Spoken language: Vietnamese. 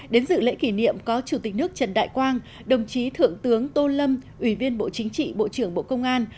đến dự lễ kỷ niệm có chủ tịch nước trần đại quang đồng chí thượng tướng tô lâm ủy viên bộ chính trị bộ trưởng bộ công an